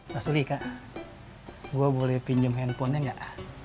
mas uli kak gue boleh pinjem handphonenya gak